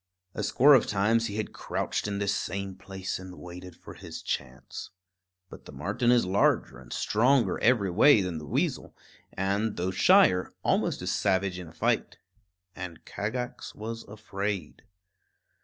A score of times he had crouched in this same place and waited for his chance. But the marten is larger and stronger every way than the weasel, and, though shyer, almost as savage in a fight. And Kagax was afraid.